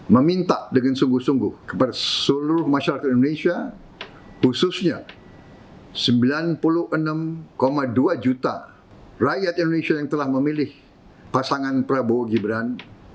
meminta dengan sungguh sungguh kepada seluruh masyarakat indonesia khususnya sembilan puluh enam dua juta rakyat indonesia yang telah memilih pasangan prabowo gibran